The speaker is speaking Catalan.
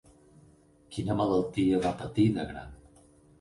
Quina malaltia va patir de gran?